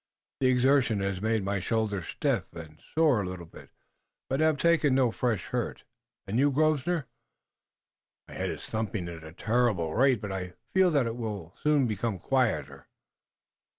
"The exertion has made my shoulder stiff and sore a little, but I have taken no fresh hurt." "And you, Grosvenor?" "My head is thumping at a terrible rate, but I feel that it will soon become quieter."